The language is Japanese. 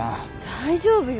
大丈夫よ。